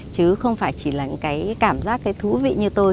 chứ không phải chỉ là những cái cảm giác cái thú vị như tôi